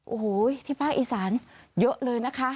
โอ้โหที่ภาคอีสานเยอะเลยนะคะ